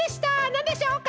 なんでしょうか？